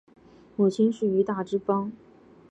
母亲是于大之方。